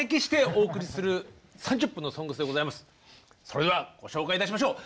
それではご紹介いたしましょう。